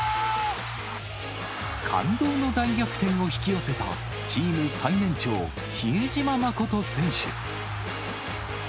感動の大逆転を引き寄せた、チーム最年長、比江島慎選手。